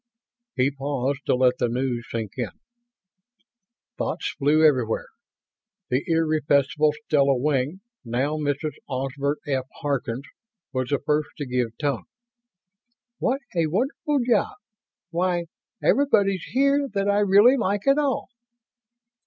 He paused to let the news sink in. Thoughts flew everywhere. The irrepressible Stella Wing now Mrs. Osbert F. Harkins was the first to give tongue. "What a wonderful job! Why, everybody's here that I really like at all!"